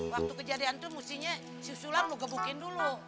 waktu kejadian tuh mestinya si sulam lo gebukin dulu